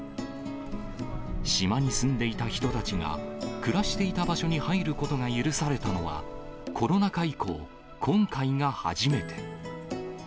島に住んでいた人たちが、暮らしていた場所に入ることが許されたのは、コロナ禍以降、今回が初めて。